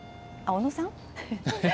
小野さん？